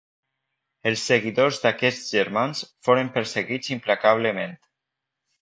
Els seguidors d'aquests germans foren perseguits implacablement.